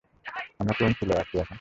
আমরা কোন চুলোয় আছি এখন?